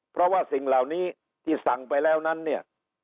เพราะว่าสิ่งเหล่านี้ที่สั่งไปแล้วนั้นเนี่ย